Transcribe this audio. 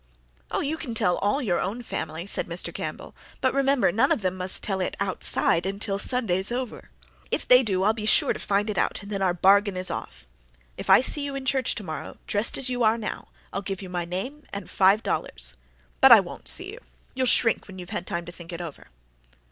"Oh, you can tell all your own family," said Mr. Campbell, "but remember, none of them must tell it outside until Sunday is over. If they do, I'll be sure to find it out and then our bargain is off. If I see you in church tomorrow, dressed as you are now, I'll give you my name and five dollars. But I won't see you. You'll shrink when you've had time to think it over."